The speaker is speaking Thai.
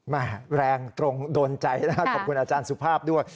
แรงตรงโดนใจนะขอบคุณอาจารย์สุภาพด้วย